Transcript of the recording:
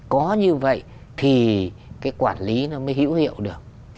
có như vậy thì cái quản lý nó mới hữu hiệu được